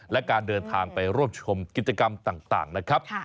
และการเดินทางไปร่วมชมกิจกรรมต่างนะครับ